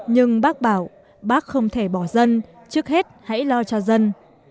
nhưng bắc bảo bắc không thể bỏ dân trước hết hãy lo cho dân